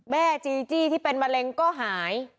จีจี้ที่เป็นมะเร็งก็หาย